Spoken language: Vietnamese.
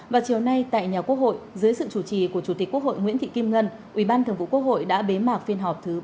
vào chiều nay tại nhà quốc hội dưới sự chủ trì của chủ tịch quốc hội nguyễn thị kim ngân ủy ban thường vụ quốc hội đã bế mạc phiên họp thứ ba mươi